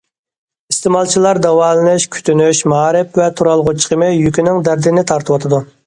ئىستېمالچىلار داۋالىنىش، كۈتۈنۈش، مائارىپ ۋە تۇرالغۇ چىقىمى يۈكىنىڭ دەردىنى تارتىۋاتىدۇ.